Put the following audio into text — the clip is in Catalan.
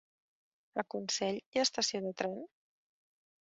A Consell hi ha estació de tren?